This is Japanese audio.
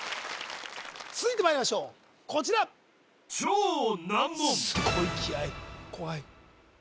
続いてまいりましょうこちらすごい気合い怖い